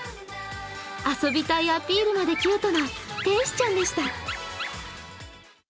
遊びたいアピールまでキュートな天使ちゃんでした。